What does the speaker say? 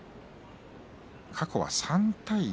過去は３対１。